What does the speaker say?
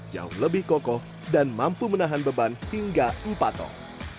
jauh lebih kokoh dan mampu menahan beban hingga empat ton